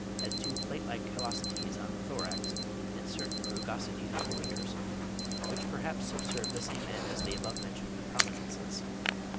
204) has two plate like callosities on the thorax and certain rugosities on the fingers, which perhaps subserve the same end as the above mentioned prominences.)